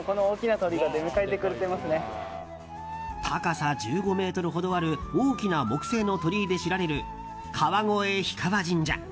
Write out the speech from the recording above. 高さ１５ｍほどある大きな木製の鳥居で知られる川越氷川神社。